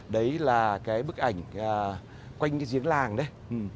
đấy là cái bức ảnh quanh cái giếng làng đấy